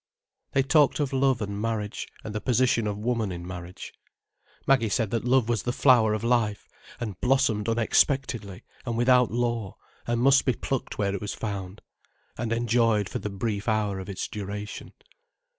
They talked of love and marriage, and the position of woman in marriage. Maggie said that love was the flower of life, and blossomed unexpectedly and without law, and must be plucked where it was found, and enjoyed for the brief hour of its duration.